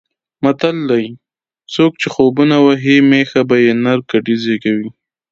متل دی: څوک چې خوبونه وهي مېښه به یې نر کټي زېږوي.